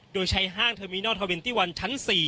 โดยใช้ห้างเทอร์มินอล๒๑ชั้น๔